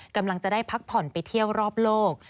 กำลังจะได้พักผ่อนไปเที่ยวรอบโลก